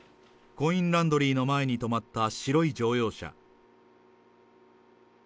コインランドリーの前に止まった白い乗用車。